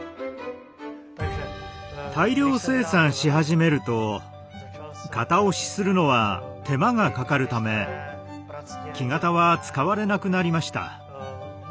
大量生産し始めると型押しするのは手間がかかるため木型は使われなくなりました。